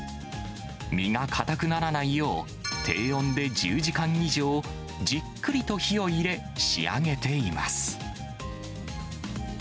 身が硬くならないよう、低温で１０時間以上、じっくりと火を入れ、仕上げています。